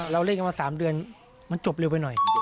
เราเล่นกันมา๓เดือนมันจบเร็วไปหน่อย